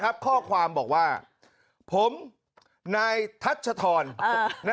นะครับข้อความบอกว่าผมนายทัชธรอ่า